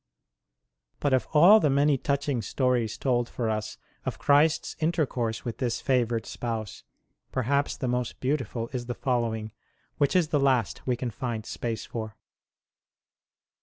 But of all the many touching stones told for us of Christ s intercourse with this favoured Spouse, perhaps the most beautiful is the following, which is the last we can find space for.